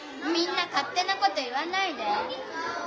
みんなかってなこと言わないで。